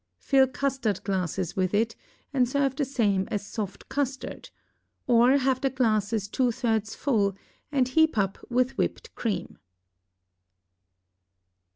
Fill custard glasses with it, and serve the same as soft custard; or have the glasses two thirds full, and heap up with whipped cream.